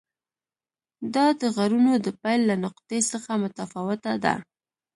دا د غرونو د پیل له نقطې څخه متفاوته ده.